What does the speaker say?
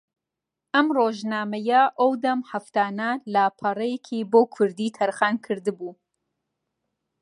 ئەم ڕۆژنامەیە ئەودەم ھەفتانە لاپەڕەیەکی بۆ کوردی تەرخان کردبوو